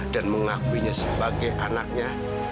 dan mengakuinya sebagai anaknya